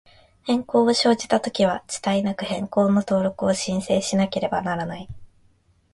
変更を生じたときは、遅滞なく、変更の登録を申請しなければならない。